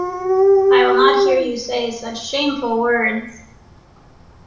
I will not hear you say such shameful words!